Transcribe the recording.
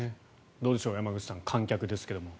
どうでしょう、山口さん観客ですが。